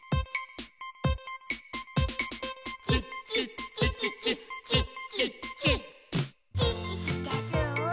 「チッチッチッチッチッチッチッチッ」「チッチしてスー」ス